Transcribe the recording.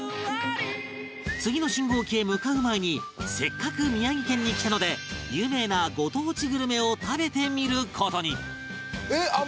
次の信号機へ向かう前にせっかく宮城県に来たので有名なご当地グルメを食べてみる事に